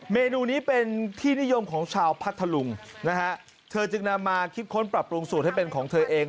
เมนูนี้เป็นที่นิยมของชาวพัทธลุงนะฮะเธอจึงนำมาคิดค้นปรับปรุงสูตรให้เป็นของเธอเอง